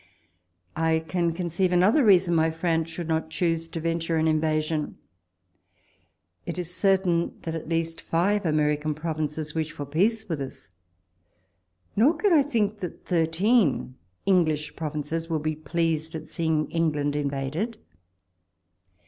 I can conceive another reason why France should not choose to venture an invasion. It is certain that at least five American provinces wish for peace with us. Nor can I think that 168 walpole's letters. thirteen English provinces would be pleased at seeing England invaded.